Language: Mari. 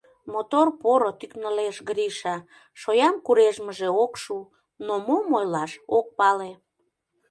Мотор, поро... — тӱкнылеш Гриша, шоям курежмыже ок шу, но мом ойлаш — ок пале.